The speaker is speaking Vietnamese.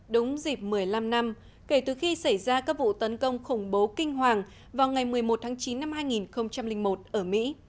đúng dịp một mươi năm năm kể từ khi xảy ra các vụ tấn công khủng bố kinh hoàng vào ngày một mươi một tháng chín năm hai nghìn một ở mỹ